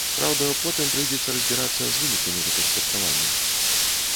Праўда, потым прыйдзецца разбірацца з вынікамі гэтых святкаванняў.